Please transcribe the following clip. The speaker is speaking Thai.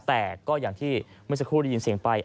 แต่ก็อย่างที่เมื่อสักครู่ได้ยินเสียงไป